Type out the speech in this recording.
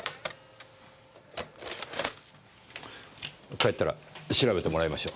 帰ったら調べてもらいましょう。